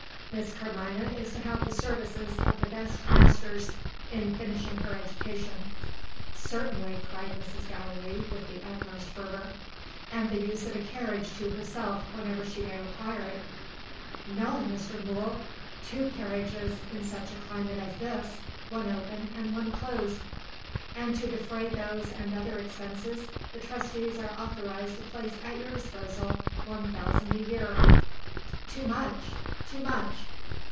Miss Carmina is to have the services of the best masters, in finishing her education." "Certainly!" cried Mrs. Gallilee, with the utmost fervour. "And the use of a carriage to herself, whenever she may require it." "No, Mr. Mool! Two carriages in such a climate as this. One open, and one closed." "And to defray these and other expenses, the Trustees are authorized to place at your disposal one thousand a year." "Too much! too much!"